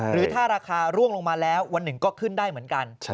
หรือถ้าราคาร่วงลงมาแล้ววันหนึ่งก็ขึ้นได้เหมือนกัน